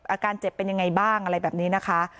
อาการเจ็บเป็นยังไงบ้างอะไรแบบนี้นะคะ